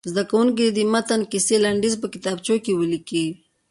زده کوونکي دې د متن د کیسې لنډیز په کتابچو کې ولیکي.